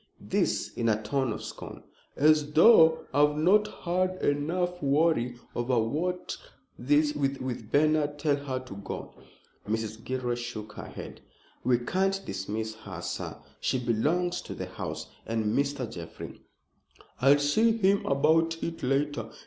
This in a tone of scorn. "As though I've not had enough worry over that with Bernard. Tell her to go." Mrs. Gilroy shook her head. "We can't dismiss her, sir. She belongs to the house, and Mr. Jeffrey" "I'll see him about it later.